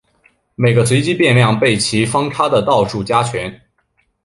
每个随机变量被其方差的倒数加权。